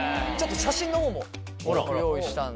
写真のほうも用意したんで。